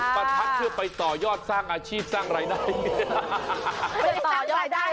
ประทัดเพื่อไปต่อยอดสร้างอาชีพสร้างรายได้เนี่ย